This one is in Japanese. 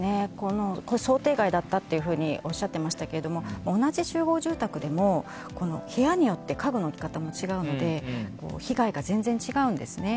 想定外だったというふうにおっしゃってましたけど同じ集合住宅でも、部屋によって家具の置き方も違うので被害が全然違うんですね。